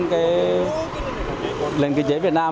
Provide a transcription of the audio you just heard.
cái nền kinh tế việt nam